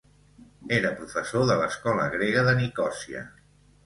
Era professor de l'Escola Grega de Nicòsia.